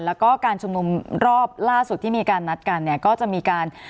แล้วก็การชุมนุมรอบล่าสุดที่มีการนัดกันเนี่ยก็จะมีการ